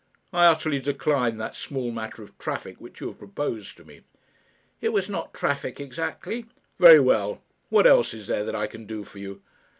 I utterly decline that small matter of traffic which you have proposed to me." "It was not traffic exactly." "Very well. What else is there that I can do for you?"